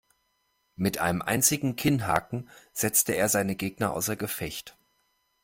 Mit einem einzigen Kinnhaken setzte er seinen Gegner außer Gefecht.